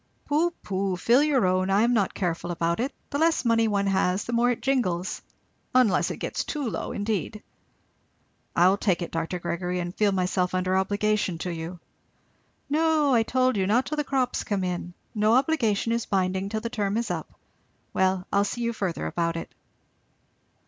"Pooh, pooh! fill your own. I am not careful about it; the less money one has the more it jingles, unless it gets too low indeed." "I will take it, Dr. Gregory, and feel myself under obligation to you." "No, I told you, not till the crops come in. No obligation is binding till the term is up. Well, I'll see you further about it."